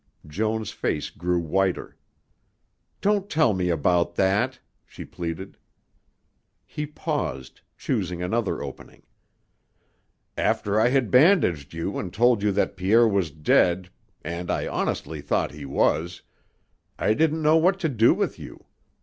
Joan's face grew whiter. "Don't tell about that," she pleaded. He paused, choosing another opening. "After I had bandaged you and told you that Pierre was dead and I honestly thought he was I didn't know what to do with you.